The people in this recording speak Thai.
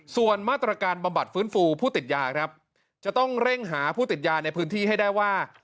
ส่วนมาตรการบำบัดฟื้นฟูผู้ติดยาครับจะต้องเร่งหาผู้ติดยาในพื้นที่ให้ได้ว่า